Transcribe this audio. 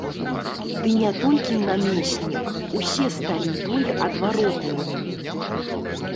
Ды не толькі намеснік, усе сталі ёй адваротнымі.